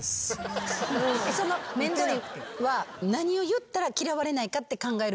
そのめんどいは何を言ったら嫌われないかって考えるめんどい？